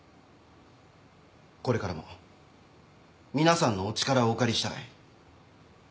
これからも皆さんのお力をお借りしたい。